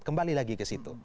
kembali lagi ke situ